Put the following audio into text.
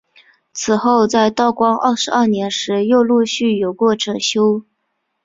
此后在道光二十二年时又陆续有整修过。